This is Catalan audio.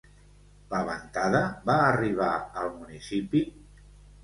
La ventada va arribar al municipi?